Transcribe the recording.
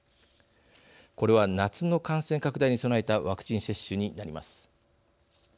これは、夏の感染拡大に備えたワクチン接種になります。